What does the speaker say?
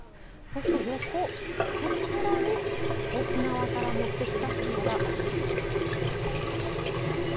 そして横こちらに沖縄から持ってきたサンゴがあります。